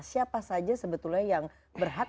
siapa saja sebetulnya yang berhak